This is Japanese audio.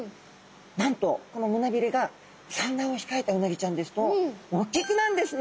なんとこの胸びれが産卵を控えたうなぎちゃんですとおっきくなるんですね